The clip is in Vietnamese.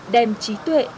đèn trí tuệ